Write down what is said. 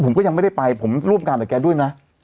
ผมก็ยังไม่ได้ไปผมร่วมงานกับแกด้วยนะ